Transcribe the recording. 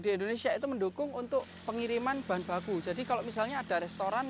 di indonesia itu mendukung untuk pengiriman bahan baku jadi kalau misalnya ada restoran